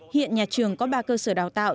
hiện nhà trường có ba cơ sở đào tạo